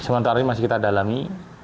sementara ini masih kita dalami